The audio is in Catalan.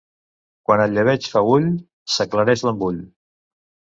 Quan el llebeig fa ull, s'aclareix l'embull.